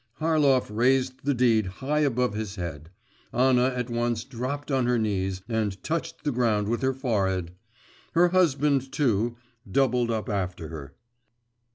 Harlov raised the deed high above his head. Anna at once dropped on her knees and touched the ground with her forehead; her husband, too, doubled up after her.